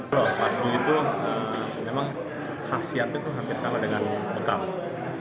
al fasduh itu memang khasiatnya hampir sama dengan bekal